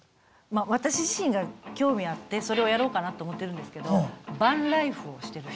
私自身が興味あってそれをやろうかなと思ってるんですけどバンライフをしてる人。